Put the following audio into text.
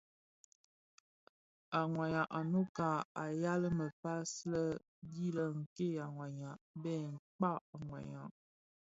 A wayag a Nnouka a yal mefas le dhi Nke a wayag bè Mkpag a wayag.